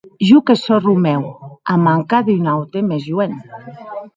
Jo que sò Romèu, a manca de un aute mès joen.